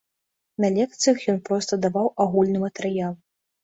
На лекцыях ён проста даваў агульны матэрыял.